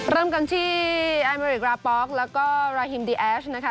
เริ่มกันที่แอเมริกราป๊อกแล้วก็ราฮิมดีแอสนะคะ